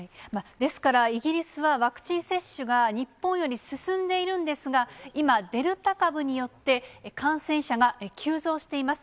ですから、イギリスはワクチン接種が日本より進んでいるんですが、今、デルタ株によって、感染者が急増しています。